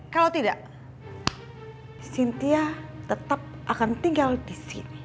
kalau tidak cynthia tetap akan tinggal disini